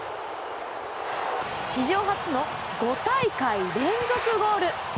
史上初の５大会連続ゴール。